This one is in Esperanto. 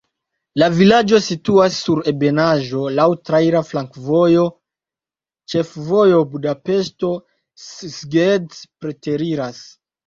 La vilaĝo situas sur ebenaĵo, laŭ traira flankovojo, ĉefvojo Budapeŝto-Szeged preteriras.